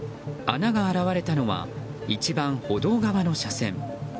穴が現れたのは一番歩道側の車線。